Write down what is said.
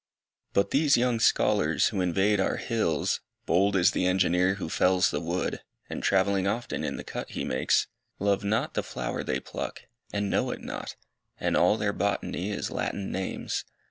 But these young scholars, who invade our hills, Bold as the engineer who fells the wood, And travelling often in the cut he makes, Love not the flower they pluck, and know it not, And all their botany is Latin names.